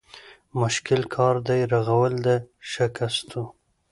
مشکل کار دی رغول د شکستو